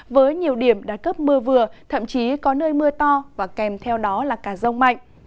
với nhiều điểm đạt cấp mưa vừa thậm chí có nơi mưa to và kèm theo đó là cả rông mạnh